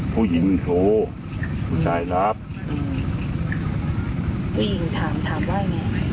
ผู้หญิงถามว่าไง